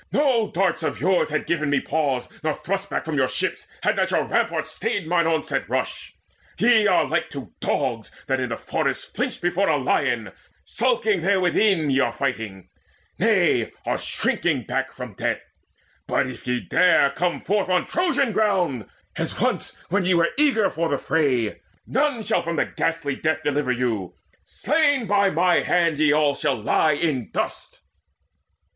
no darts of yours Had given me pause, nor thrust back from your ships, Had not your rampart stayed mine onset rush. Ye are like to dogs, that in a forest flinch Before a lion! Skulking therewithin Ye are fighting nay, are shrinking back from death! But if ye dare come forth on Trojan ground, As once when ye were eager for the fray, None shall from ghastly death deliver you: Slain by mine hand ye all shall lie in dust!"